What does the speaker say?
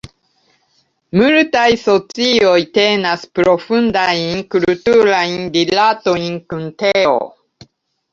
Multaj socioj tenas profundajn kulturajn rilatojn kun teo.